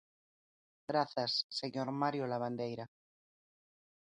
Grazas, señor Mario Lavandeira.